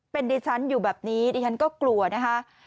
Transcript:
เป็นดิฉันอยู่แบบนี้ดิฉันก็กลัวนะคะ